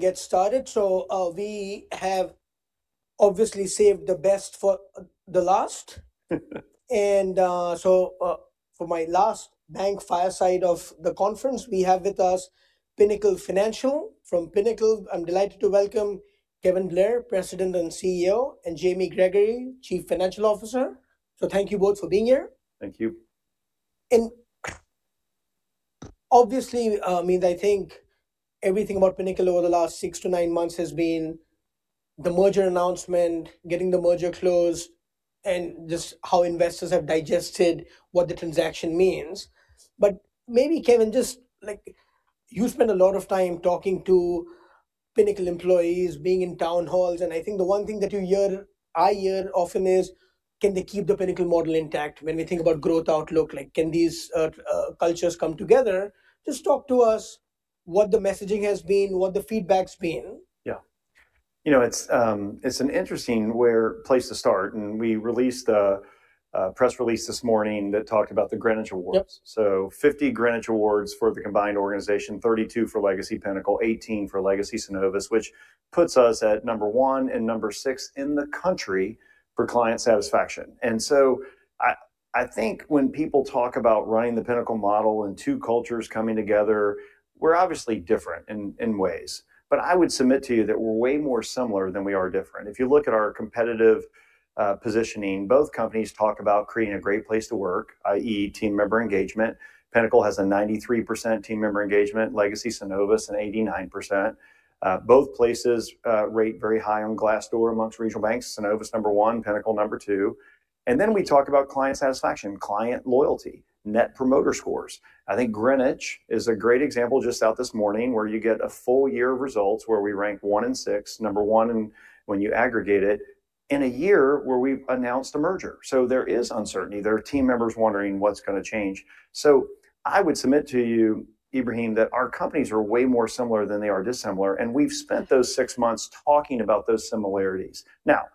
Get started. We have obviously saved the best for the last. For my last bank fireside of the conference, we have with us Pinnacle Financial. From Pinnacle, I'm delighted to welcome Kevin Blair, President and CEO, and Jamie Gregory, Chief Financial Officer. Thank you both for being here. Thank you. And obviously, I mean, I think everything about Pinnacle over the last 6-9 months has been the merger announcement, getting the merger closed, and just how investors have digested what the transaction means. But maybe, Kevin, just like, you spent a lot of time talking to Pinnacle employees, being in town halls, and I think the one thing that you hear I hear often is, can they keep the Pinnacle model intact? When we think about growth outlook, like, can these, cultures come together? Just talk to us what the messaging has been, what the feedback's been. Yeah. You know, it's an interesting place to start, and we released the press release this morning that talked about the Greenwich Awards. So 50 Greenwich Awards for the combined organization, 32 for Legacy Pinnacle, 18 for Legacy Synovus, which puts us at number 1 and number 6 in the country for client satisfaction. And so I think when people talk about running the Pinnacle model and two cultures coming together, we're obviously different in ways. But I would submit to you that we're way more similar than we are different. If you look at our competitive positioning, both companies talk about creating a great place to work, i.e., team member engagement. Pinnacle has a 93% team member engagement, Legacy Synovus an 89%. Both places rate very high on Glassdoor amongst regional banks. Synovus number 1, Pinnacle number 2. Then we talk about client satisfaction, client loyalty, Net Promoter scores. I think Greenwich is a great example just out this morning where you get a full year of results where we rank 1 and 6, number 1 when you aggregate it, in a year where we've announced a merger. So there is uncertainty. There are team members wondering what's going to change. So I would submit to you, Ebrahim, that our companies are way more similar than they are dissimilar, and we've spent those six months talking about those similarities. Now,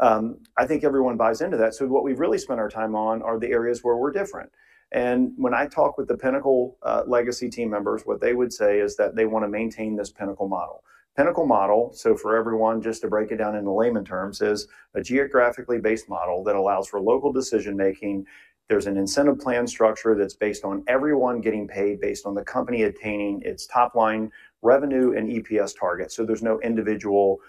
I think everyone buys into that. So what we've really spent our time on are the areas where we're different. And when I talk with the Pinnacle, legacy team members, what they would say is that they want to maintain this Pinnacle model. Pinnacle model, so for everyone, just to break it down in layman's terms, is a geographically based model that allows for local decision making. There's an incentive plan structure that's based on everyone getting paid based on the company attaining its top line revenue and EPS target. So there's no individual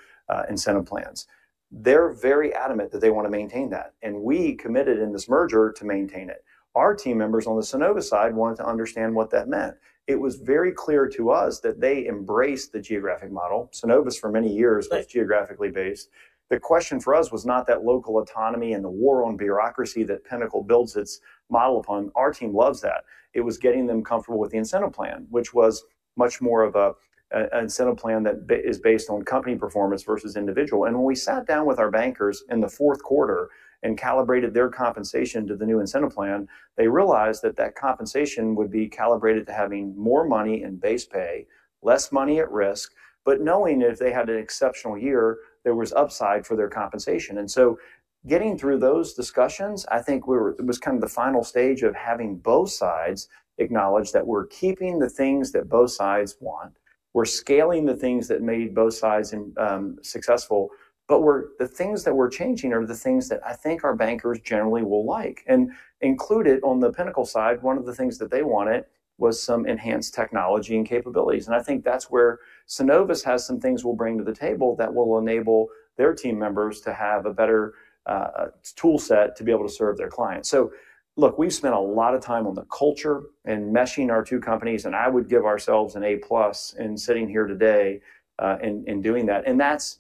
incentive plans. They're very adamant that they want to maintain that, and we committed in this merger to maintain it. Our team members on the Synovus side wanted to understand what that meant. It was very clear to us that they embraced the geographic model. Synovus for many years was geographically based. The question for us was not that local autonomy and the war on bureaucracy that Pinnacle builds its model upon. Our team loves that. It was getting them comfortable with the incentive plan, which was much more of an incentive plan that is based on company performance versus individual. And when we sat down with our bankers in the fourth quarter and calibrated their compensation to the new incentive plan, they realized that that compensation would be calibrated to having more money in base pay, less money at risk, but knowing if they had an exceptional year, there was upside for their compensation. And so getting through those discussions, I think it was kind of the final stage of having both sides acknowledge that we're keeping the things that both sides want. We're scaling the things that made both sides successful, but the things that we're changing are the things that I think our bankers generally will like. Included on the Pinnacle side, one of the things that they wanted was some enhanced technology and capabilities. I think that's where Synovus has some things we'll bring to the table that will enable their team members to have a better toolset to be able to serve their clients. So look, we've spent a lot of time on the culture and meshing our two companies, and I would give ourselves an A+ in sitting here today in doing that. That's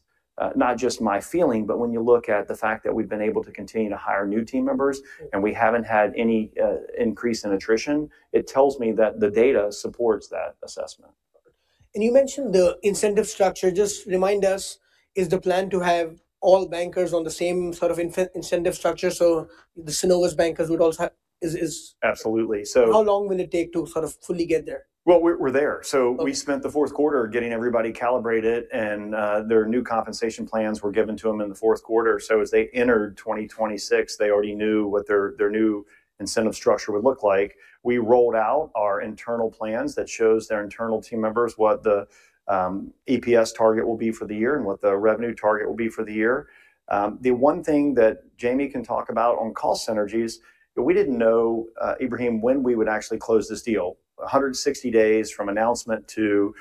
not just my feeling, but when you look at the fact that we've been able to continue to hire new team members and we haven't had any increase in attrition, it tells me that the data supports that assessment. You mentioned the incentive structure. Just remind us, is the plan to have all bankers on the same sort of incentive structure? So the Synovus bankers would also have it? Is it? Absolutely. So. How long will it take to sort of fully get there? Well, we're there. So we spent the fourth quarter getting everybody calibrated, and their new compensation plans were given to them in the fourth quarter. So as they entered 2026, they already knew what their new incentive structure would look like. We rolled out our internal plans that shows their internal team members what the EPS target will be for the year and what the revenue target will be for the year. The one thing that Jamie can talk about on cost synergies, we didn't know, Ebrahim, when we would actually close this deal. 160 days from announcement to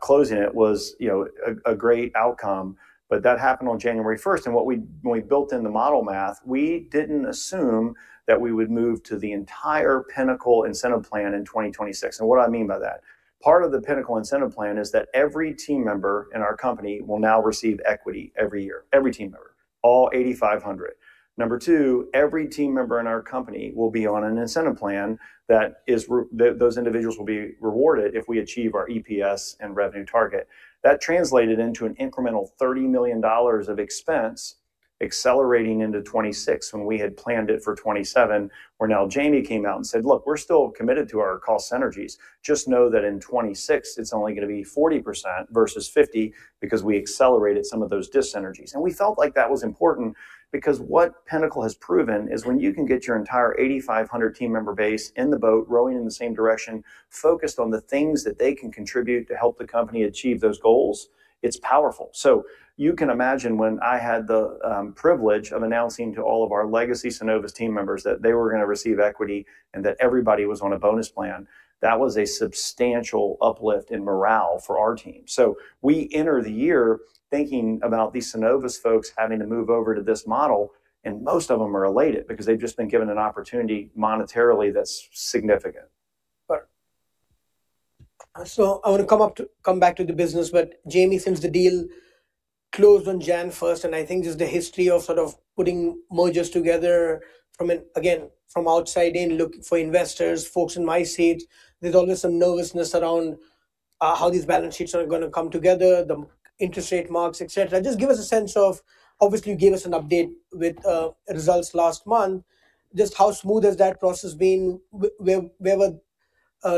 closing it was, you know, a great outcome. But that happened on January 1st. And when we built in the model math, we didn't assume that we would move to the entire Pinnacle incentive plan in 2026. And what do I mean by that? Part of the Pinnacle incentive plan is that every team member in our company will now receive equity every year, every team member, all 8,500. Number two, every team member in our company will be on an incentive plan that is re those individuals will be rewarded if we achieve our EPS and revenue target. That translated into an incremental $30 million of expense accelerating into 2026 when we had planned it for 2027, where now Jamie came out and said, "Look, we're still committed to our cost synergies. Just know that in 2026, it's only going to be 40% versus 50% because we accelerated some of those dis-synergies." And we felt like that was important because what Pinnacle has proven is when you can get your entire 8,500 team member base in the boat, rowing in the same direction, focused on the things that they can contribute to help the company achieve those goals, it's powerful. So you can imagine when I had the privilege of announcing to all of our Legacy Synovus team members that they were going to receive equity and that everybody was on a bonus plan, that was a substantial uplift in morale for our team. So we enter the year thinking about these Synovus folks having to move over to this model, and most of them are elated because they've just been given an opportunity monetarily that's significant. I want to come up to come back to the business, but Jamie, since the deal closed on January 1st, and I think just the history of sort of putting mergers together from and again, from outside in looking for investors, folks in my seat, there's always some nervousness around how these balance sheets are going to come together, the interest rate marks, etc. Just give us a sense of obviously you gave us an update with results last month. Just how smooth has that process been? Wherever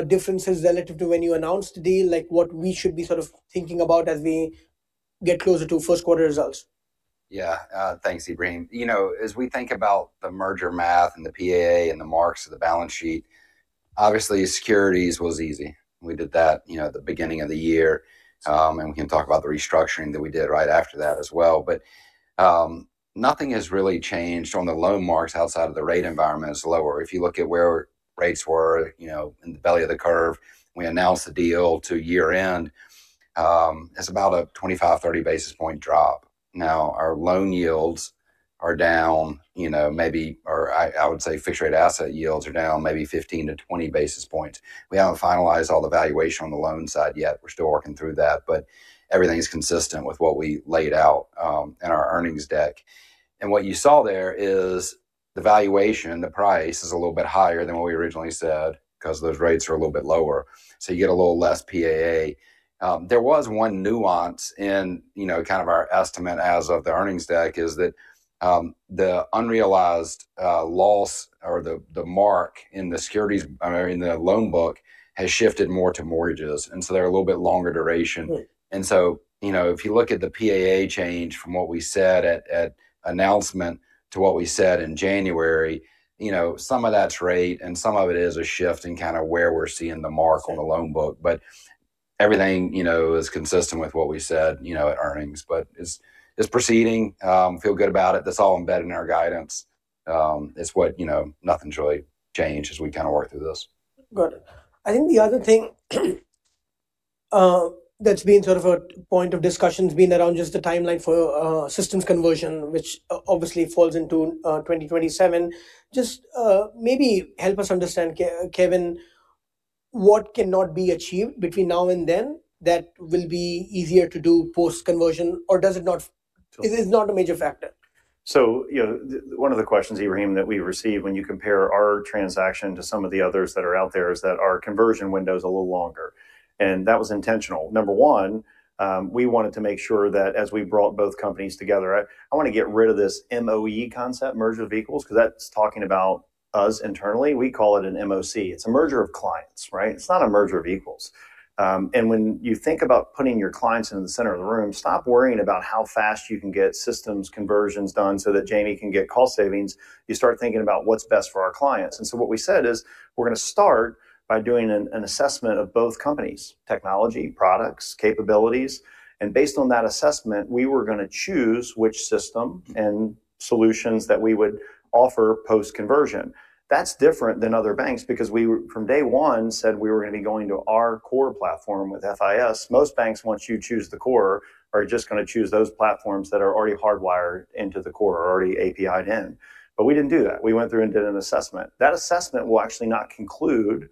differences relative to when you announced the deal, like what we should be sort of thinking about as we get closer to first quarter results? Yeah. Thanks, Ebrahim. You know, as we think about the merger math and the PAA and the marks of the balance sheet, obviously, securities was easy. We did that, you know, at the beginning of the year. We can talk about the restructuring that we did right after that as well. But nothing has really changed. On the loan marks outside of the rate environment is lower. If you look at where rates were, you know, in the belly of the curve, we announced the deal to year-end. It's about a 25-30 basis point drop. Now, our loan yields are down, you know, maybe or I, I would say fixed rate asset yields are down maybe 15-20 basis points. We haven't finalized all the valuation on the loan side yet. We're still working through that. But everything's consistent with what we laid out in our earnings deck. And what you saw there is the valuation; the price is a little bit higher than what we originally said because those rates are a little bit lower. So you get a little less PAA. There was one nuance in, you know, kind of our estimate as of the earnings deck is that the unrealized loss or the mark in the securities I mean in the loan book has shifted more to mortgages. And so they're a little bit longer duration. And so, you know, if you look at the PAA change from what we said at announcement to what we said in January, you know, some of that's rate and some of it is a shift in kind of where we're seeing the mark on the loan book. But everything, you know, is consistent with what we said, you know, at earnings. But it's proceeding. Feel good about it. That's all embedded in our guidance. It's what, you know, nothing's really changed as we kind of work through this. Got it. I think the other thing that's been sort of a point of discussion has been around just the timeline for systems conversion, which obviously falls into 2027. Just maybe help us understand, Kevin, what cannot be achieved between now and then that will be easier to do post-conversion, or does it not? Is it not a major factor? So, you know, one of the questions, Ebrahim, that we receive when you compare our transaction to some of the others that are out there is that our conversion window's a little longer. And that was intentional. Number one, we wanted to make sure that as we brought both companies together I, I want to get rid of this MOE concept, merger of equals, because that's talking about us internally. We call it an MOC. It's a merger of clients, right? It's not a merger of equals. And when you think about putting your clients in the center of the room, stop worrying about how fast you can get systems conversions done so that Jamie can get cost savings. You start thinking about what's best for our clients. And so what we said is we're going to start by doing an assessment of both companies, technology, products, capabilities. Based on that assessment, we were going to choose which system and solutions that we would offer post-conversion. That's different than other banks because we from day one said we were going to be going to our core platform with FIS. Most banks, once you choose the core, are just going to choose those platforms that are already hardwired into the core, are already API'd in. But we didn't do that. We went through and did an assessment. That assessment will actually not conclude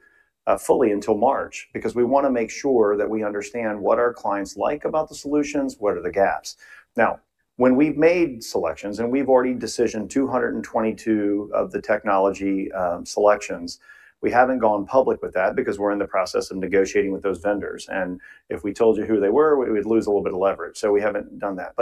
fully until March because we want to make sure that we understand what our clients like about the solutions, what are the gaps. Now, when we've made selections and we've already decisioned 222 of the technology selections, we haven't gone public with that because we're in the process of negotiating with those vendors. If we told you who they were, we would lose a little bit of leverage. We haven't done that.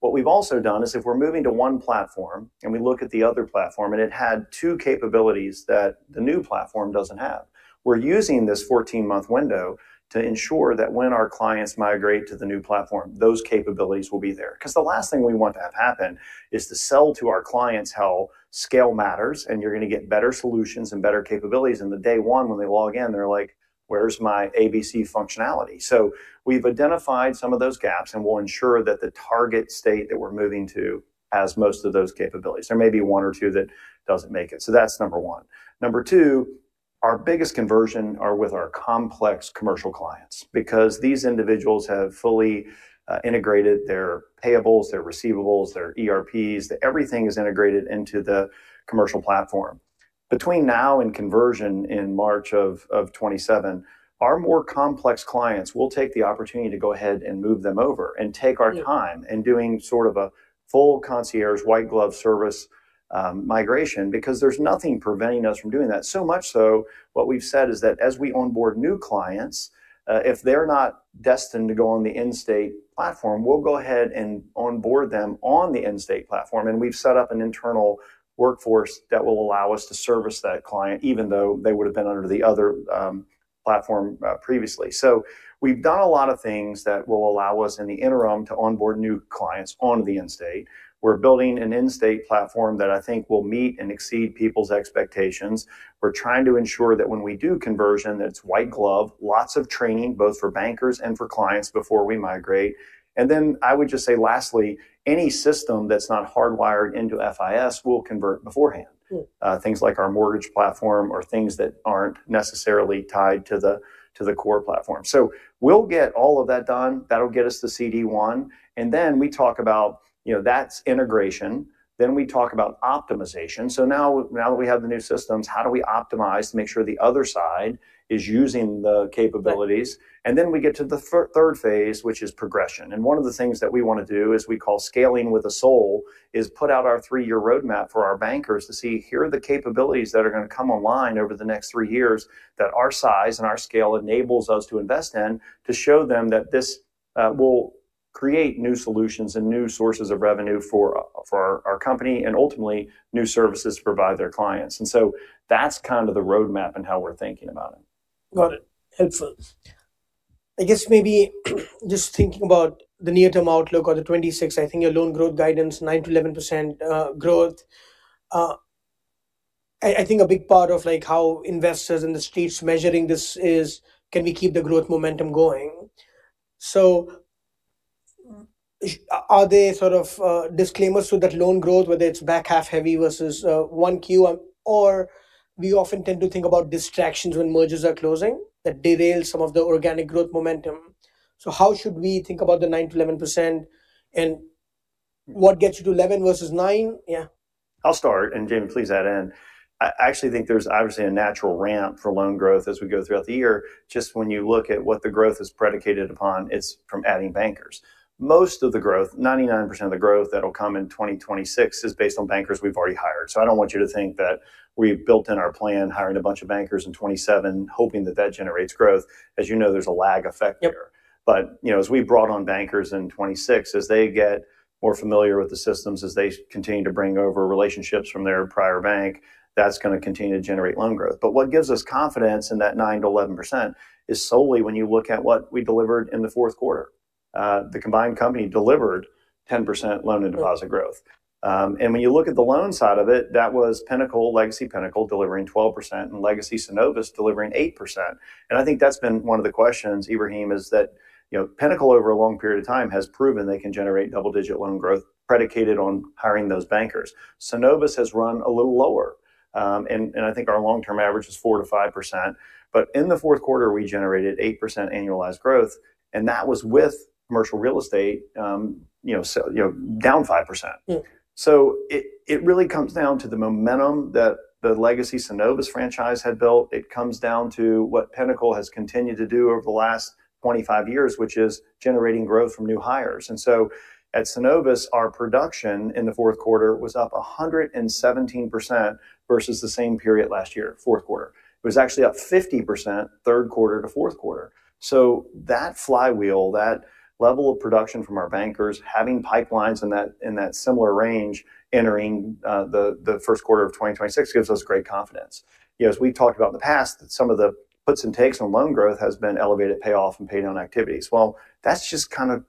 What we've also done is if we're moving to one platform and we look at the other platform and it had two capabilities that the new platform doesn't have, we're using this 14-month window to ensure that when our clients migrate to the new platform, those capabilities will be there. Because the last thing we want to have happen is to sell to our clients how scale matters and you're going to get better solutions and better capabilities. The day one when they log in, they're like, "Where's my ABC functionality?" We've identified some of those gaps and we'll ensure that the target state that we're moving to has most of those capabilities. There may be one or two that doesn't make it. So that's number 1. Number 2, our biggest conversion are with our complex commercial clients because these individuals have fully integrated their payables, their receivables, their ERPs. Everything is integrated into the commercial platform. Between now and conversion in March of 2027, our more complex clients will take the opportunity to go ahead and move them over and take our time in doing sort of a full concierge white glove service migration because there's nothing preventing us from doing that. So much so, what we've said is that as we onboard new clients, if they're not destined to go on the end state platform, we'll go ahead and onboard them on the end state platform. And we've set up an internal workforce that will allow us to service that client, even though they would have been under the other platform previously. So we've done a lot of things that will allow us in the interim to onboard new clients on the end state. We're building an end state platform that I think will meet and exceed people's expectations. We're trying to ensure that when we do conversion, that it's white glove, lots of training both for bankers and for clients before we migrate. And then I would just say lastly, any system that's not hardwired into FIS will convert beforehand, things like our mortgage platform or things that aren't necessarily tied to the core platform. So we'll get all of that done. That'll get us to CD1. And then we talk about, you know, that's integration. Then we talk about optimization. So now that we have the new systems, how do we optimize to make sure the other side is using the capabilities? And then we get to the third phase, which is progression. And one of the things that we want to do, as we call scaling with a soul, is put out our three-year roadmap for our bankers to see, "Here are the capabilities that are going to come online over the next three years that our size and our scale enables us to invest in to show them that this will create new solutions and new sources of revenue for our company and ultimately new services to provide their clients." And so that's kind of the roadmap and how we're thinking about it. Got it. Excellent. I guess maybe just thinking about the near-term outlook or the 2026, I think your loan growth guidance, 9%-11% growth, I, I think a big part of like how investors in the streets measuring this is, "Can we keep the growth momentum going?" So are there sort of, disclaimers to that loan growth, whether it's back half heavy versus, 1Q, or we often tend to think about distractions when mergers are closing that derail some of the organic growth momentum. So how should we think about the 9%-11% and what gets you to 11 versus 9? Yeah. I'll start. And Jamie, please add in. I, I actually think there's obviously a natural ramp for loan growth as we go throughout the year. Just when you look at what the growth is predicated upon, it's from adding bankers. Most of the growth, 99% of the growth that'll come in 2026 is based on bankers we've already hired. So I don't want you to think that we've built in our plan hiring a bunch of bankers in 2027 hoping that that generates growth. As you know, there's a lag effect there. But, you know, as we brought on bankers in 2026, as they get more familiar with the systems, as they continue to bring over relationships from their prior bank, that's going to continue to generate loan growth. But what gives us confidence in that 9%-11% is solely when you look at what we delivered in the fourth quarter. The combined company delivered 10% loan and deposit growth. When you look at the loan side of it, that was Pinnacle, Legacy Pinnacle, delivering 12%, and Legacy Synovus delivering 8%. I think that's been one of the questions, Ebrahim, is that, you know, Pinnacle over a long period of time has proven they can generate double-digit loan growth predicated on hiring those bankers. Synovus has run a little lower, and I think our long-term average is 4%-5%. But in the fourth quarter, we generated 8% annualized growth. And that was with commercial real estate, you know, so, you know, down 5%. So it really comes down to the momentum that the Legacy Synovus franchise had built. It comes down to what Pinnacle has continued to do over the last 25 years, which is generating growth from new hires. And so at Synovus, our production in the fourth quarter was up 117% versus the same period last year, fourth quarter. It was actually up 50% third quarter to fourth quarter. So that flywheel, that level of production from our bankers, having pipelines in that similar range, entering the first quarter of 2026 gives us great confidence. You know, as we've talked about in the past, some of the puts and takes on loan growth has been elevated payoff and paydown activities. Well, that's just kind of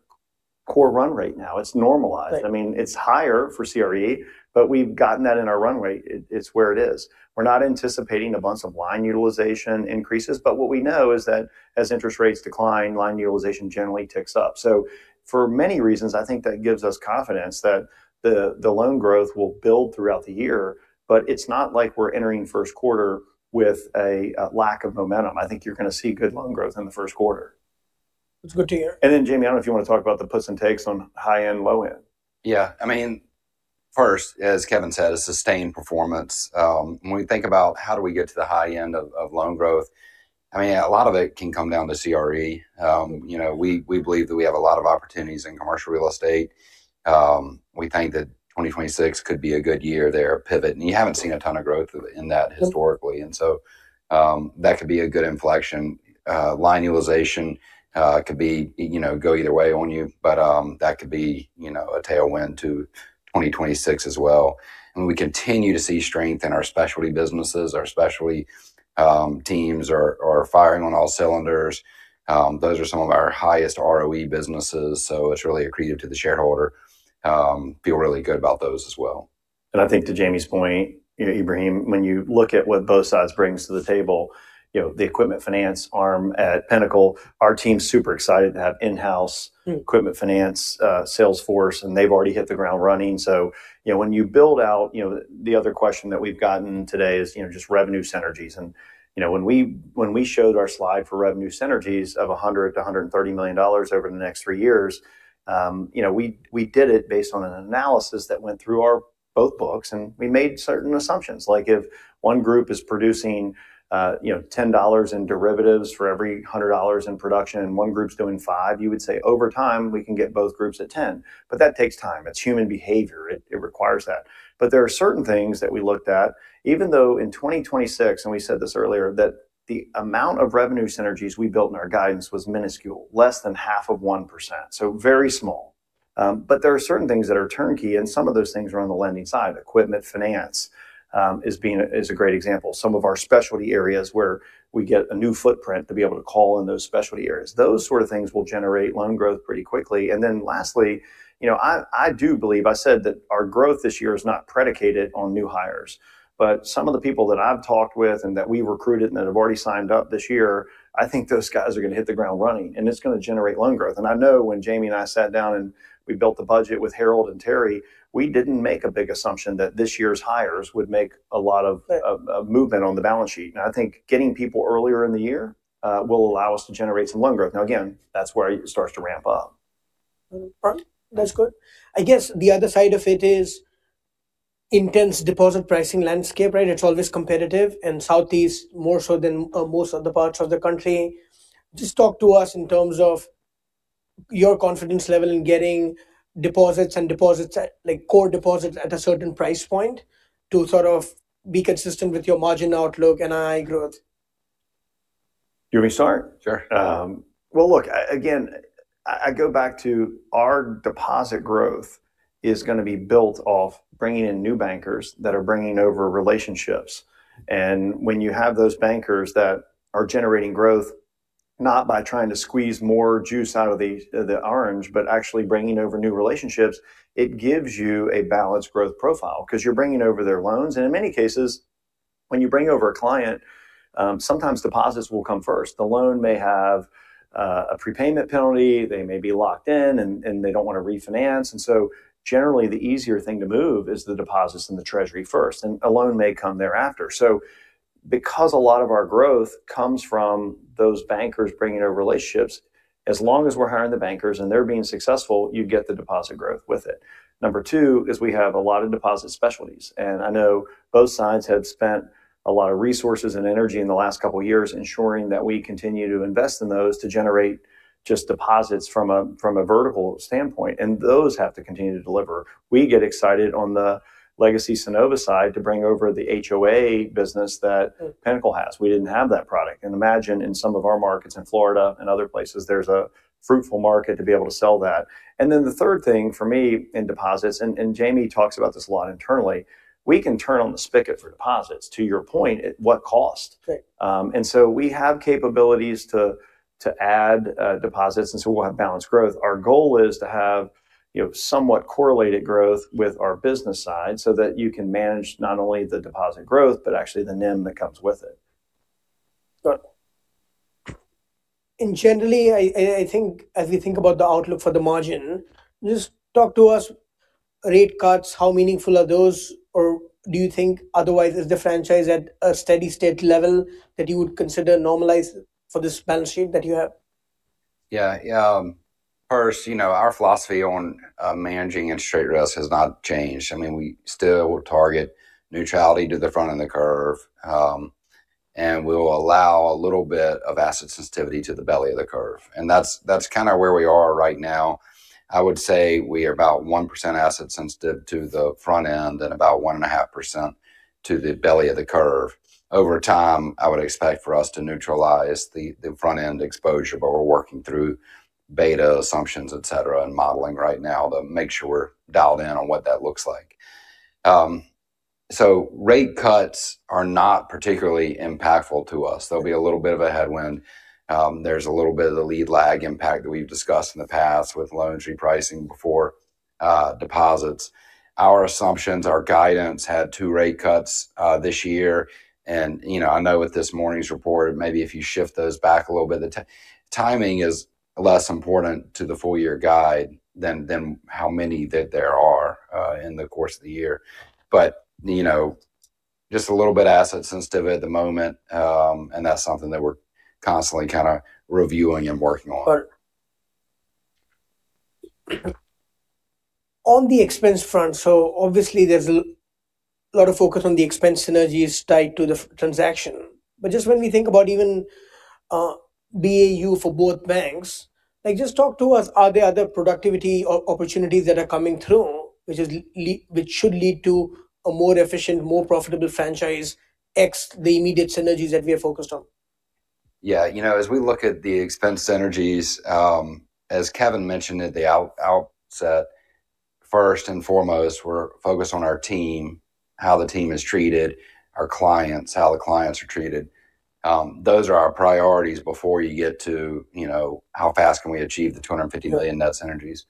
core run rate now. It's normalized. I mean, it's higher for CRE, but we've gotten that in our run rate. It's where it is. We're not anticipating a bunch of line utilization increases, but what we know is that as interest rates decline, line utilization generally ticks up. So for many reasons, I think that gives us confidence that the loan growth will build throughout the year, but it's not like we're entering first quarter with a lack of momentum. I think you're going to see good loan growth in the first quarter. That's good to hear. And then, Jamie, I don't know if you want to talk about the puts and takes on high-end, low-end. Yeah. I mean, first, as Kevin said, it's sustained performance. When we think about how we get to the high end of loan growth, I mean, a lot of it can come down to CRE. You know, we believe that we have a lot of opportunities in commercial real estate. We think that 2026 could be a good year there, a pivot. And you haven't seen a ton of growth in that historically. And so, that could be a good inflection. Line utilization could be, you know, go either way on you. But that could be, you know, a tailwind to 2026 as well. And we continue to see strength in our specialty businesses. Our specialty teams are firing on all cylinders. Those are some of our highest ROE businesses. So it's really accretive to the shareholder. Feel really good about those as well. I think to Jamie's point, you know, Ebrahim, when you look at what both sides brings to the table, you know, the equipment finance arm at Pinnacle, our team's super excited to have in-house equipment finance, sales force, and they've already hit the ground running. So, you know, when you build out, you know, the other question that we've gotten today is, you know, just revenue synergies. And, you know, when we, when we showed our slide for revenue synergies of $100-$130 million over the next 3 years, you know, we, we did it based on an analysis that went through our both books. And we made certain assumptions. Like if one group is producing, you know, $10 in derivatives for every $100 in production and one group's doing 5, you would say over time, we can get both groups at 10. But that takes time. It's human behavior. It requires that. But there are certain things that we looked at, even though in 2026, and we said this earlier, that the amount of revenue synergies we built in our guidance was minuscule, less than half of 1%. So very small. But there are certain things that are turnkey. And some of those things are on the lending side. Equipment finance is a great example. Some of our specialty areas where we get a new footprint to be able to call in those specialty areas. Those sort of things will generate loan growth pretty quickly. And then lastly, you know, I do believe I said that our growth this year is not predicated on new hires. But some of the people that I've talked with and that we've recruited and that have already signed up this year, I think those guys are going to hit the ground running. And it's going to generate loan growth. And I know when Jamie and I sat down and we built the budget with Harold and Terry, we didn't make a big assumption that this year's hires would make a lot of movement on the balance sheet. And I think getting people earlier in the year will allow us to generate some loan growth. Now, again, that's where it starts to ramp up. All right. That's good. I guess the other side of it is intense deposit pricing landscape, right? It's always competitive in Southeast, more so than most of the parts of the country. Just talk to us in terms of your confidence level in getting deposits and deposits, like core deposits at a certain price point to sort of be consistent with your margin outlook and NII growth. Do you want me to start? Sure. Well, look, again, I, I go back to our deposit growth is going to be built off bringing in new bankers that are bringing over relationships. And when you have those bankers that are generating growth, not by trying to squeeze more juice out of the, the orange, but actually bringing over new relationships, it gives you a balanced growth profile because you're bringing over their loans. And in many cases, when you bring over a client, sometimes deposits will come first. The loan may have a prepayment penalty. They may be locked in and, and they don't want to refinance. And so generally, the easier thing to move is the deposits in the treasury first. And a loan may come thereafter. So because a lot of our growth comes from those bankers bringing over relationships, as long as we're hiring the bankers and they're being successful, you get the deposit growth with it. Number two is we have a lot of deposit specialties. And I know both sides have spent a lot of resources and energy in the last couple of years ensuring that we continue to invest in those to generate just deposits from a vertical standpoint. And those have to continue to deliver. We get excited on the Legacy Synovus side to bring over the HOA business that Pinnacle has. We didn't have that product. And imagine in some of our markets in Florida and other places, there's a fruitful market to be able to sell that. And then the third thing for me in deposits, and Jamie talks about this a lot internally, we can turn on the spigot for deposits, to your point, at what cost. So we have capabilities to add deposits. And so we'll have balanced growth. Our goal is to have, you know, somewhat correlated growth with our business side so that you can manage not only the deposit growth, but actually the NIM that comes with it. Got it. Generally, I think as we think about the outlook for the margin, just talk to us, rate cuts, how meaningful are those? Or do you think otherwise, is the franchise at a steady state level that you would consider normalized for this balance sheet that you have? Yeah. Yeah. First, you know, our philosophy on managing interest rate risk has not changed. I mean, we still will target neutrality to the front end of the curve, and we'll allow a little bit of asset sensitivity to the belly of the curve. And that's, that's kind of where we are right now. I would say we are about 1% asset sensitive to the front end and about 1.5% to the belly of the curve. Over time, I would expect for us to neutralize the front end exposure, but we're working through beta assumptions, et cetera, and modeling right now to make sure we're dialed in on what that looks like. So rate cuts are not particularly impactful to us. There'll be a little bit of a headwind. There's a little bit of the lead lag impact that we've discussed in the past with loan repricing before, deposits. Our assumptions, our guidance, had two rate cuts this year. You know, I know with this morning's report, maybe if you shift those back a little bit, the timing is less important to the full-year guide than how many that there are in the course of the year. You know, just a little bit asset sensitive at the moment. And that's something that we're constantly kind of reviewing and working on. Got it. On the expense front, so obviously there's a lot of focus on the expense synergies tied to the transaction. But just when we think about even BAU for both banks, like just talk to us, are there other productivity opportunities that are coming through, which is, which should lead to a more efficient, more profitable franchise ex the immediate synergies that we are focused on? Yeah. You know, as we look at the expense synergies, as Kevin mentioned at the outset, first and foremost, we're focused on our team, how the team is treated, our clients, how the clients are treated. Those are our priorities before you get to, you know, how fast can we achieve the $250 million net synergies.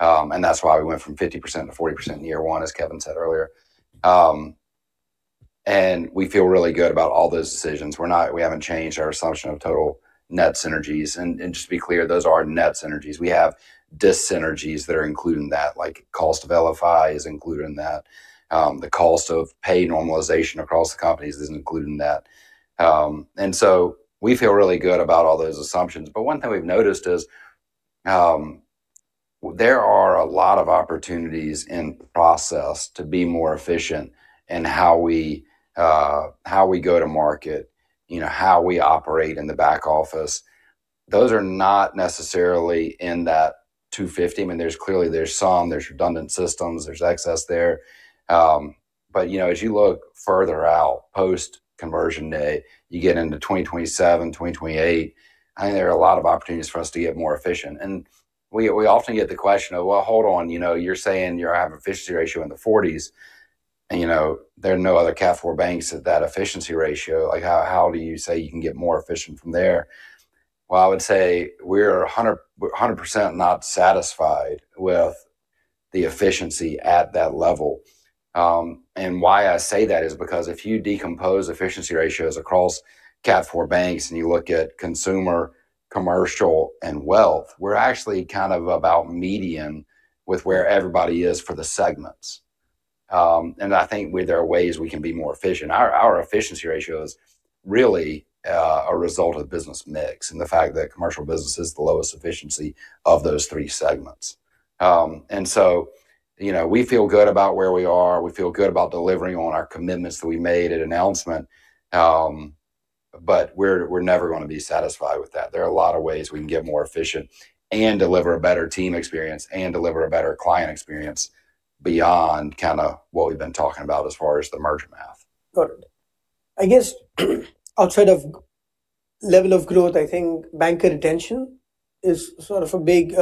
And that's why we went from 50%-40% in year one, as Kevin said earlier. And we feel really good about all those decisions. We're not, we haven't changed our assumption of total net synergies. And, and just to be clear, those are net synergies. We have dis-synergies that are included in that. Like cost of LTI is included in that. The cost of pay normalization across the companies is included in that. And so we feel really good about all those assumptions. But one thing we've noticed is, there are a lot of opportunities in the process to be more efficient in how we, how we go to market, you know, how we operate in the back office. Those are not necessarily in that 250. I mean, there's clearly, there's some, there's redundant systems, there's excess there. But, you know, as you look further out post-conversion day, you get into 2027, 2028, I think there are a lot of opportunities for us to get more efficient. And we, we often get the question of, well, hold on, you know, you're saying you have an efficiency ratio in the 40s. And, you know, there are no other Category 4 banks at that efficiency ratio. Like how, how do you say you can get more efficient from there? Well, I would say we're 100% not satisfied with the efficiency at that level. And why I say that is because if you decompose efficiency ratios across Category 4 banks and you look at consumer, commercial, and wealth, we're actually kind of about median with where everybody is for the segments. And I think there are ways we can be more efficient. Our, our efficiency ratio is really a result of business mix and the fact that commercial business is the lowest efficiency of those three segments. And so, you know, we feel good about where we are. We feel good about delivering on our commitments that we made at announcement. But we're, we're never going to be satisfied with that. There are a lot of ways we can get more efficient and deliver a better team experience and deliver a better client experience beyond kind of what we've been talking about as far as the merger math. Got it. I guess outside of level of growth, I think banker retention is sort of a big,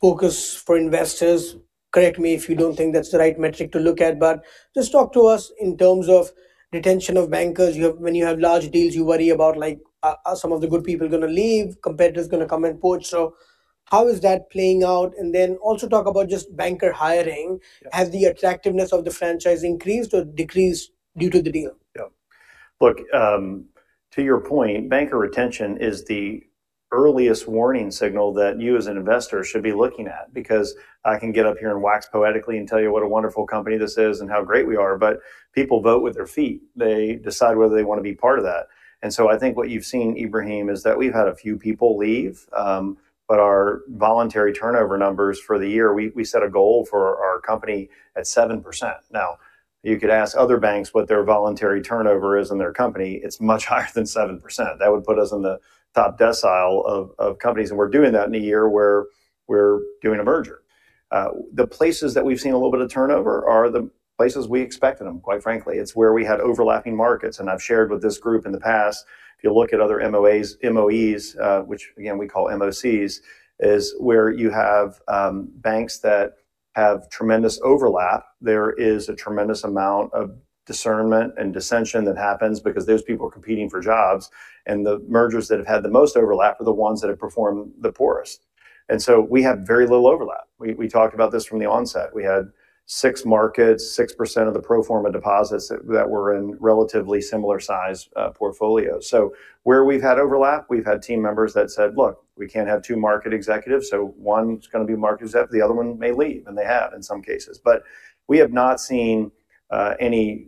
focus for investors. Correct me if you don't think that's the right metric to look at, but just talk to us in terms of retention of bankers. You have, when you have large deals, you worry about like, are some of the good people going to leave? Competitors going to come and poach? So how is that playing out? And then also talk about just banker hiring. Has the attractiveness of the franchise increased or decreased due to the deal? Yeah. Look, to your point, banker retention is the earliest warning signal that you as an investor should be looking at because I can get up here and wax poetically and tell you what a wonderful company this is and how great we are, but people vote with their feet. They decide whether they want to be part of that. And so I think what you've seen, Ebrahim, is that we've had a few people leave. But our voluntary turnover numbers for the year, we, we set a goal for our company at 7%. Now, you could ask other banks what their voluntary turnover is in their company. It's much higher than 7%. That would put us in the top decile of, of companies. And we're doing that in a year where we're doing a merger. The places that we've seen a little bit of turnover are the places we expected them, quite frankly. It's where we had overlapping markets. And I've shared with this group in the past, if you look at other M&As, MOEs, which again, we call MOCs, is where you have, banks that have tremendous overlap. There is a tremendous amount of discernment and dissension that happens because those people are competing for jobs. And the mergers that have had the most overlap are the ones that have performed the poorest. And so we have very little overlap. We, we talked about this from the onset. We had 6 markets, 6% of the pro forma deposits that were in relatively similar size, portfolios. So where we've had overlap, we've had team members that said, look, we can't have two market executives. So one's going to be market executive. The other one may leave. They have in some cases. But we have not seen any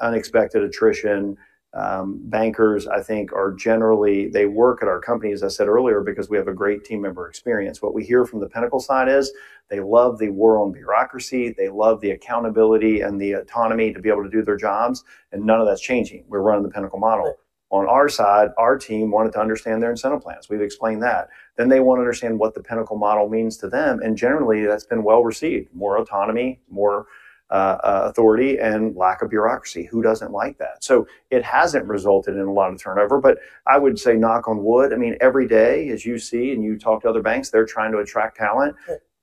unexpected attrition. Bankers, I think, are generally they work at our company, as I said earlier, because we have a great team member experience. What we hear from the Pinnacle side is they love the war on bureaucracy. They love the accountability and the autonomy to be able to do their jobs. And none of that's changing. We're running the Pinnacle model. On our side, our team wanted to understand their incentive plans. We've explained that. Then they want to understand what the Pinnacle model means to them. And generally, that's been well received. More autonomy, more authority, and lack of bureaucracy. Who doesn't like that? So it hasn't resulted in a lot of turnover. But I would say knock on wood. I mean, every day, as you see and you talk to other banks, they're trying to attract talent.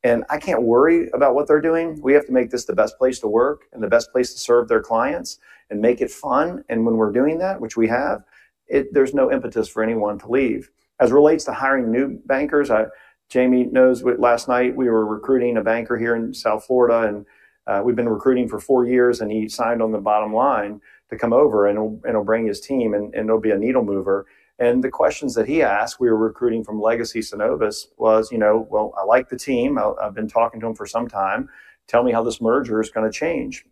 I can't worry about what they're doing. We have to make this the best place to work and the best place to serve their clients and make it fun. When we're doing that, which we have, there's no impetus for anyone to leave. As it relates to hiring new bankers, Jamie knows last night we were recruiting a banker here in South Florida. We've been recruiting for four years. He signed on the bottom line to come over. He'll bring his team. He'll be a needle mover. The questions that he asked, we were recruiting from Legacy Synovus, was, you know, well, I like the team. I've been talking to them for some time. Tell me how this merger is going to change.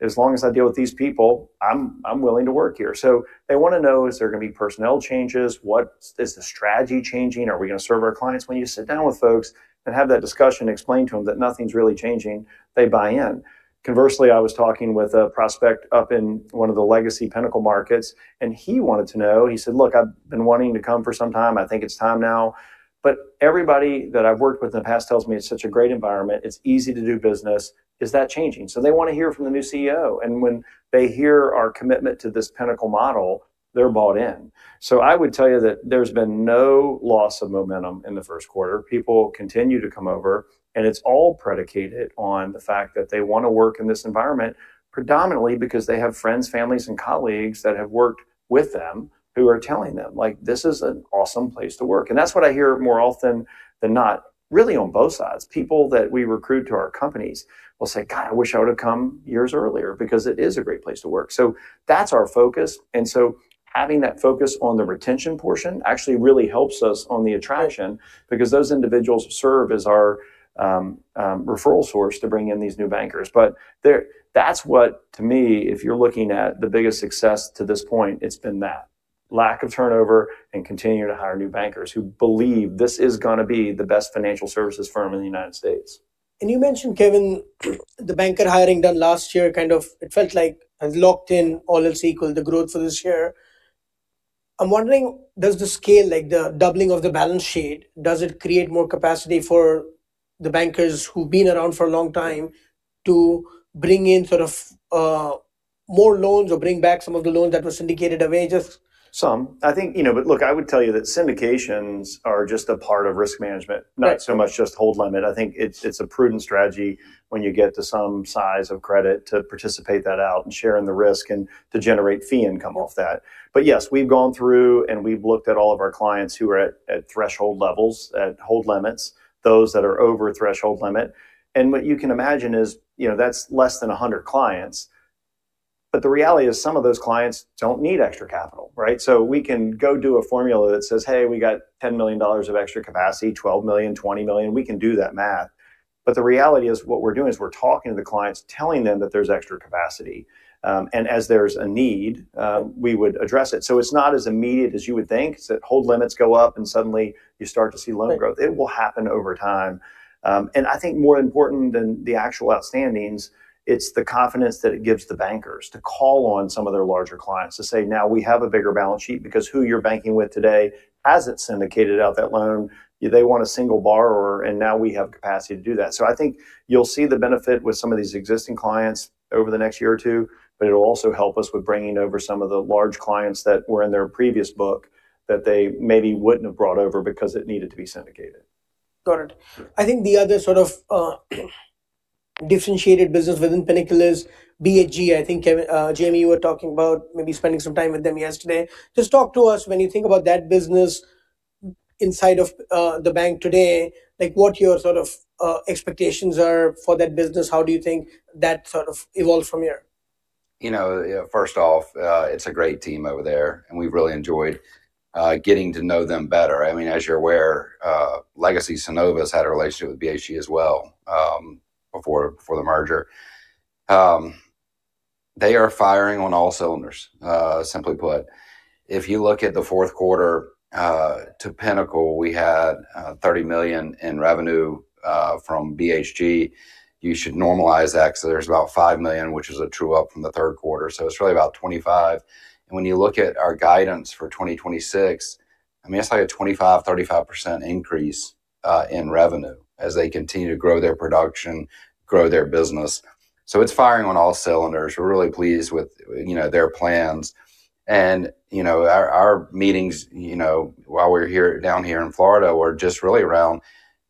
As long as I deal with these people, I'm, I'm willing to work here. So they want to know, is there going to be personnel changes? What is the strategy changing? Are we going to serve our clients? When you sit down with folks and have that discussion, explain to them that nothing's really changing. They buy in. Conversely, I was talking with a prospect up in one of the Legacy Pinnacle markets. He wanted to know. He said, look, I've been wanting to come for some time. I think it's time now. But everybody that I've worked with in the past tells me it's such a great environment. It's easy to do business. Is that changing? So they want to hear from the new CEO. When they hear our commitment to this Pinnacle model, they're bought in. So I would tell you that there's been no loss of momentum in the first quarter. People continue to come over. And it's all predicated on the fact that they want to work in this environment predominantly because they have friends, families, and colleagues that have worked with them who are telling them, like, this is an awesome place to work. And that's what I hear more often than not, really on both sides. People that we recruit to our companies will say, God, I wish I would have come years earlier because it is a great place to work. So that's our focus. And so having that focus on the retention portion actually really helps us on the attraction because those individuals serve as our referral source to bring in these new bankers. But there, that's what, to me, if you're looking at the biggest success to this point, it's been that. Lack of turnover and continue to hire new bankers who believe this is going to be the best financial services firm in the United States. You mentioned, Kevin, the banker hiring done last year kind of, it felt like has locked in all else equal, the growth for this year. I'm wondering, does the scale, like the doubling of the balance sheet, does it create more capacity for the bankers who've been around for a long time to bring in sort of, more loans or bring back some of the loans that were syndicated away? I think, you know, but look, I would tell you that syndications are just a part of risk management, not so much just hold limit. I think it's, it's a prudent strategy when you get to some size of credit to participate that out and share in the risk and to generate fee income off that. But yes, we've gone through and we've looked at all of our clients who are at, at threshold levels, at hold limits, those that are over threshold limit. And what you can imagine is, you know, that's less than 100 clients. But the reality is some of those clients don't need extra capital, right? So we can go do a formula that says, hey, we got $10 million of extra capacity, $12 million, $20 million. We can do that math. But the reality is what we're doing is we're talking to the clients, telling them that there's extra capacity. And as there's a need, we would address it. So it's not as immediate as you would think. It's that hold limits go up and suddenly you start to see loan growth. It will happen over time. And I think more important than the actual outstandings, it's the confidence that it gives the bankers to call on some of their larger clients to say, now we have a bigger balance sheet because who you're banking with today hasn't syndicated out that loan. They want a single borrower. And now we have capacity to do that. So I think you'll see the benefit with some of these existing clients over the next year or two. But it'll also help us with bringing over some of the large clients that were in their previous book that they maybe wouldn't have brought over because it needed to be syndicated. Got it. I think the other sort of differentiated business within Pinnacle is BHG. I think, Jamie, you were talking about maybe spending some time with them yesterday. Just talk to us when you think about that business inside of the bank today, like what your sort of expectations are for that business. How do you think that sort of evolves from here? You know, first off, it's a great team over there. We've really enjoyed getting to know them better. I mean, as you're aware, Legacy Synovus had a relationship with BHG as well, before the merger. They are firing on all cylinders, simply put. If you look at the fourth quarter to Pinnacle, we had $30 million in revenue from BHG. You should normalize that. So there's about $5 million, which is a true up from the third quarter. So it's really about $25 million. And when you look at our guidance for 2026, I mean, it's like a 25%-35% increase in revenue as they continue to grow their production, grow their business. So it's firing on all cylinders. We're really pleased with, you know, their plans. You know, our meetings, you know, while we're here down here in Florida, were just really around,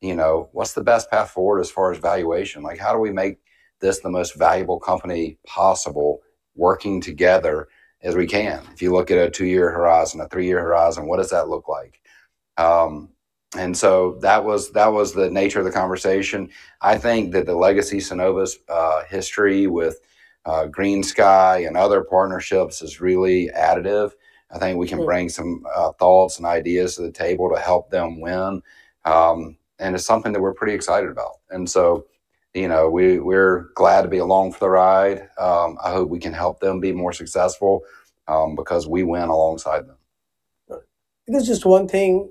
you know, what's the best path forward as far as valuation? Like, how do we make this the most valuable company possible working together as we can? If you look at a two-year horizon, a three-year horizon, what does that look like? So that was the nature of the conversation. I think that the Legacy Synovus history with GreenSky and other partnerships is really additive. I think we can bring some thoughts and ideas to the table to help them win. It's something that we're pretty excited about. You know, we, we're glad to be along for the ride. I hope we can help them be more successful, because we win alongside them. Got it. I guess just one thing.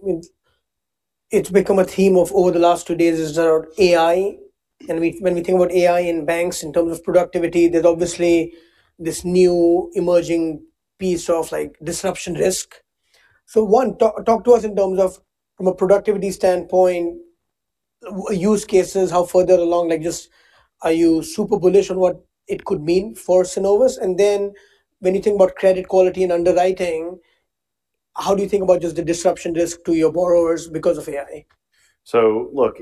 I mean, it's become a theme over the last two days. It's about AI. And we, when we think about AI in banks in terms of productivity, there's obviously this new emerging piece of like disruption risk. So one, talk to us in terms of from a productivity standpoint, use cases, how further along, like just are you super bullish on what it could mean for Synovus? And then when you think about credit quality and underwriting, how do you think about just the disruption risk to your borrowers because of AI? So look,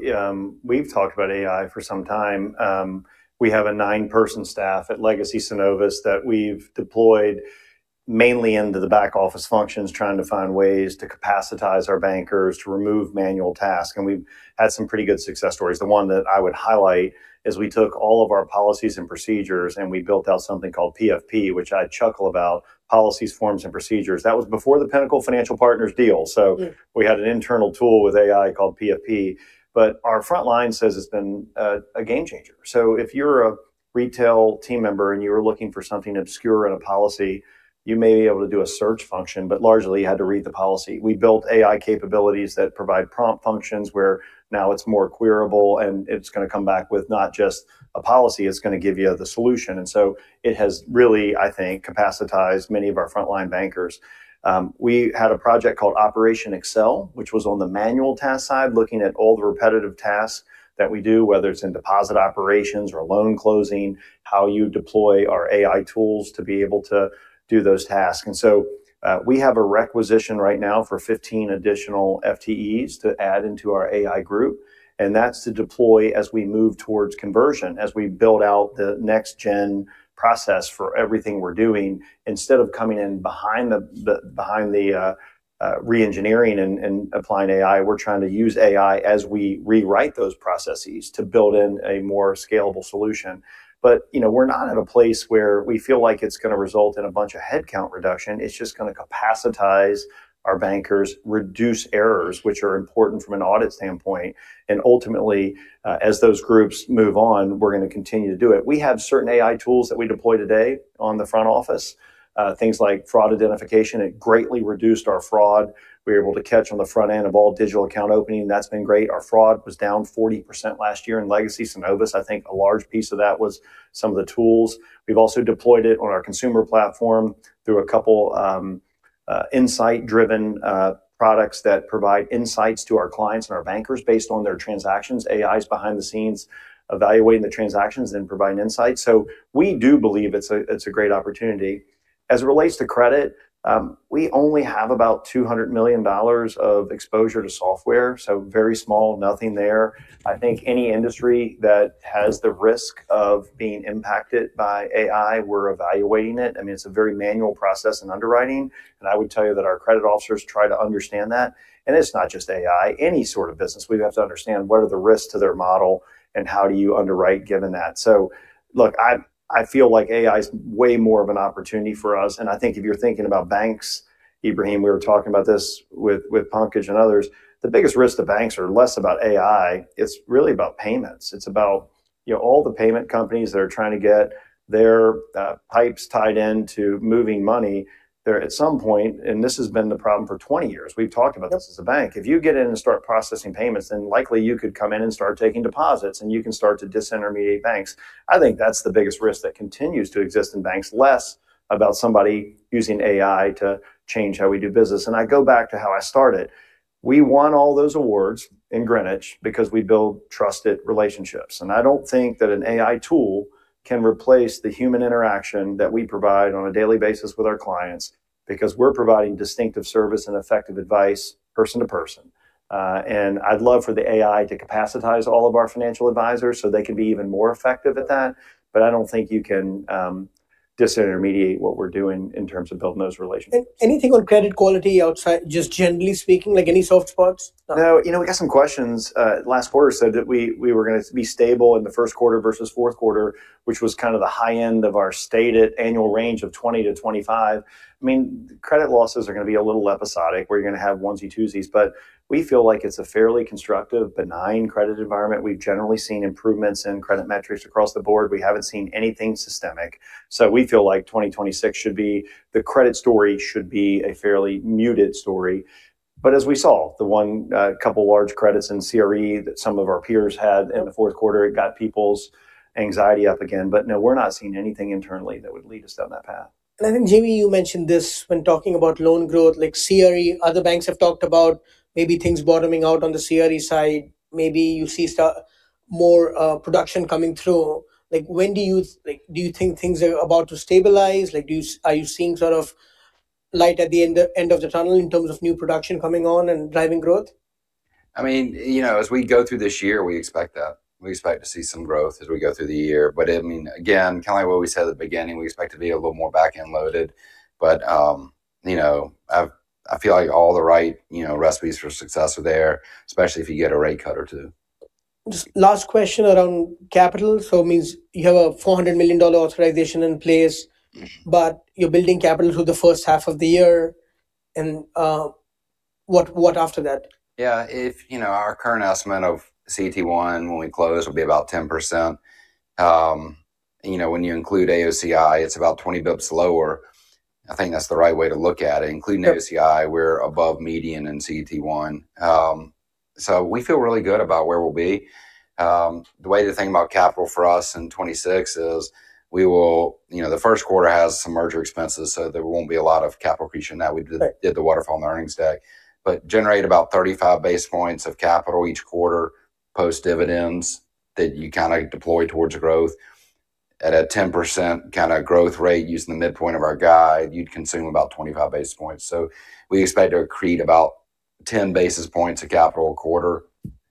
we've talked about AI for some time. We have a nine-person staff at Legacy Synovus that we've deployed mainly into the back office functions, trying to find ways to capacitize our bankers to remove manual tasks. And we've had some pretty good success stories. The one that I would highlight is we took all of our policies and procedures and we built out something called PFP, which I chuckle about, policies, forms, and procedures. That was before the Pinnacle Financial Partners deal. So we had an internal tool with AI called PFP. But our front line says it's been a game changer. So if you're a retail team member and you were looking for something obscure in a policy, you may be able to do a search function, but largely you had to read the policy. We built AI capabilities that provide prompt functions where now it's more queryable and it's going to come back with not just a policy, it's going to give you the solution. And so it has really, I think, capacitated many of our frontline bankers. We had a project called Operation Excel, which was on the manual task side, looking at all the repetitive tasks that we do, whether it's in deposit operations or loan closing, how you deploy our AI tools to be able to do those tasks. And so, we have a requisition right now for 15 additional FTEs to add into our AI group. And that's to deploy as we move towards conversion, as we build out the next-gen process for everything we're doing. Instead of coming in behind the reengineering and applying AI, we're trying to use AI as we rewrite those processes to build in a more scalable solution. But, you know, we're not at a place where we feel like it's going to result in a bunch of headcount reduction. It's just going to capacitize our bankers, reduce errors, which are important from an audit standpoint. And ultimately, as those groups move on, we're going to continue to do it. We have certain AI tools that we deploy today on the front office, things like fraud identification. It greatly reduced our fraud. We were able to catch on the front end of all digital account opening. That's been great. Our fraud was down 40% last year in Legacy Synovus. I think a large piece of that was some of the tools. We've also deployed it on our consumer platform through a couple insight-driven products that provide insights to our clients and our bankers based on their transactions. AI is behind the scenes, evaluating the transactions, then providing insights. So we do believe it's a, it's a great opportunity. As it relates to credit, we only have about $200 million of exposure to software. So very small, nothing there. I think any industry that has the risk of being impacted by AI, we're evaluating it. I mean, it's a very manual process in underwriting. And I would tell you that our credit officers try to understand that. And it's not just AI. Any sort of business, we have to understand what are the risks to their model and how do you underwrite given that. So look, I, I feel like AI is way more of an opportunity for us. I think if you're thinking about banks, Ebrahim, we were talking about this with Pankaj and others. The biggest risk to banks are less about AI. It's really about payments. It's about, you know, all the payment companies that are trying to get their pipes tied into moving money. They're, at some point, and this has been the problem for 20 years. We've talked about this as a bank. If you get in and start processing payments, then likely you could come in and start taking deposits and you can start to disintermediate banks. I think that's the biggest risk that continues to exist in banks, less about somebody using AI to change how we do business. And I go back to how I started. We won all those awards in Greenwich because we build trusted relationships. I don't think that an AI tool can replace the human interaction that we provide on a daily basis with our clients because we're providing distinctive service and effective advice person-to-person. I'd love for the AI to capacitate all of our financial advisors so they can be even more effective at that. But I don't think you can disintermediate what we're doing in terms of building those relationships. Anything on credit quality outside, just generally speaking, like any soft spots? No, you know, we got some questions. Last quarter said that we, we were going to be stable in the first quarter versus fourth quarter, which was kind of the high end of our stated annual range of 20-25. I mean, credit losses are going to be a little episodic where you're going to have onesie, twosies, but we feel like it's a fairly constructive, benign credit environment. We've generally seen improvements in credit metrics across the board. We haven't seen anything systemic. So we feel like 2026 should be, the credit story should be a fairly muted story. But as we saw the 1, couple large credits in CRE that some of our peers had in the fourth quarter, it got people's anxiety up again. But no, we're not seeing anything internally that would lead us down that path. And I think, Jamie, you mentioned this when talking about loan growth, like CRE. Other banks have talked about maybe things bottoming out on the CRE side. Maybe you see more production coming through. Like, when do you, like, do you think things are about to stabilize? Like, do you are you seeing sort of light at the end of the tunnel in terms of new production coming on and driving growth? I mean, you know, as we go through this year, we expect that. We expect to see some growth as we go through the year. But I mean, again, kind of like what we said at the beginning, we expect to be a little more backend loaded. But, you know, I've, I feel like all the right, you know, recipes for success are there, especially if you get a rate cut or two. Just last question around capital. So it means you have a $400 million authorization in place, but you're building capital through the first half of the year. And, what after that? Yeah, if you know, our current estimate of CET1 when we close will be about 10%. You know, when you include AOCI, it's about 20 basis points lower. I think that's the right way to look at it. Including AOCI, we're above median in CET1. So we feel really good about where we'll be. The way to think about capital for us in 2026 is we will, you know, the first quarter has some merit expenses, so there won't be a lot of capital creation in that. We did the waterfall on the earnings deck, but generate about 35 basis points of capital each quarter post-dividends that you kind of deploy towards growth. At a 10% kind of growth rate using the midpoint of our guide, you'd consume about 25 basis points. So we expect to accrete about 10 basis points of capital a quarter.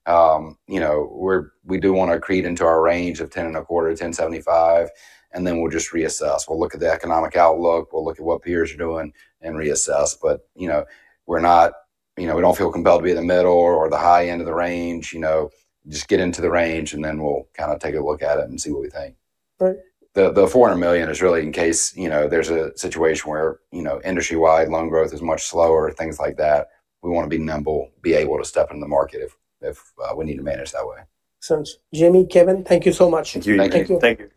You know, we're, we do want to accrete into our range of 10.25-10.75, and then we'll just reassess. We'll look at the economic outlook. We'll look at what peers are doing and reassess. But, you know, we're not, you know, we don't feel compelled to be at the middle or the high end of the range. You know, just get into the range and then we'll kind of take a look at it and see what we think. Right. The $400 million is really in case, you know, there's a situation where, you know, industry-wide loan growth is much slower, things like that. We want to be nimble, be able to step into the market if we need to manage that way. Sounds. Jamie, Kevin, thank you so much. Thank you. Thank you. Thank you.